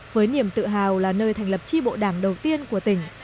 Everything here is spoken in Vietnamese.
với niềm tự hào là nơi thành lập tri bộ đảng đầu tiên của tỉnh